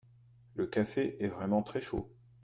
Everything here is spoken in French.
le café est vraiment très chaud.